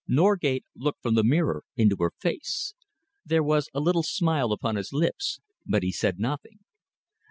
Norgate looked from the mirror into her face. There was a little smile upon his lips, but he said nothing.